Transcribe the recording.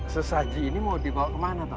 sesaji ini mau dibawa kemana pak